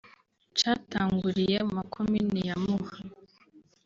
catanguriye mu makomine ya Muha